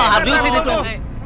haduh sini tuh